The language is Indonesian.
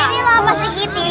wah ini lah pastri kitty